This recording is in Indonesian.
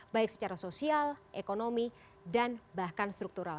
baik secara sosial ekonomi dan bahkan struktural